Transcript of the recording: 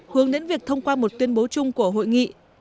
hướng đến việc thông qua một tuyên bố chung của hội nghị